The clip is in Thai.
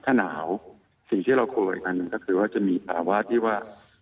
ถ้าหนาวสิ่งที่เราคุยกันก็คือว่ามีภาวะที่ว่า